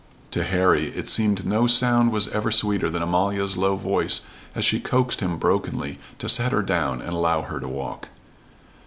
To Harry it seemed no sound was ever sweeter than Amalia's low voice as she coaxed him brokenly to set her down and allow her to walk.